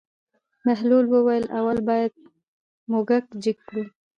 بهلول وویل: اول باید موږک جګ کړو.